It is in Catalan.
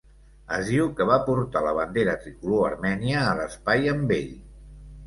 Es diu que va portar la bandera tricolor armènia a l'espai amb ell.